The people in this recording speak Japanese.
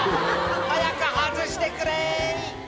「早く外してくれい！」